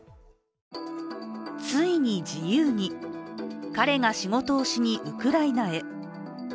ついに自由に彼が仕事をしにウクライナへ。